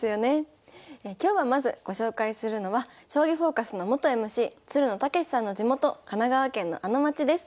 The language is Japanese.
今日はまずご紹介するのは「将棋フォーカス」の元ＭＣつるの剛士さんの地元神奈川県のあの町です。